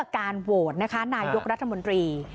การโหวตนะคะนายกรัฐมนตรี